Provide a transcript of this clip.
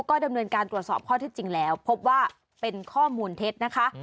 ก็ดำเนินการตรวจสอบข้อที่จริงแล้วพบว่าเป็นข้อมูลเท็จนะคะ